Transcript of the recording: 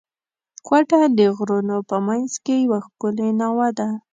کوټه د غرونو په منځ کښي یوه ښکلې ناوه ده.